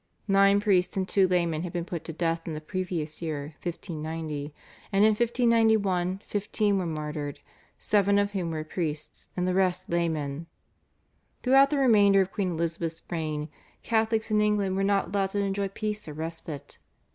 Nine priests and two laymen had been put to death in the previous year (1590), and in 1591 fifteen were martyred, seven of whom were priests and the rest laymen. Throughout the remainder of Queen Elizabeth's reign Catholics in England were not allowed to enjoy peace or respite.